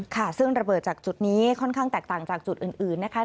ค่ะซึ่งระเบิดจากจุดนี้ค่อนข้างแตกต่างจากจุดอื่นนะคะ